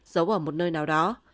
giấu ở một nơi nào đó